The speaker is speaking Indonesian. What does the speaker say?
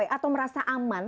atau merasa aman